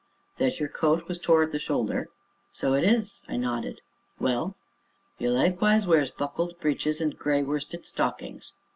"That your coat was tore at the shoulder." "So it is," I nodded; "well?" "You likewise wears buckled breeches, and gray worsted stockings."